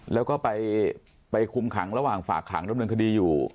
แล้วก็ไปคุมขังระหว่างฝากขังดำเนินคดีอยู่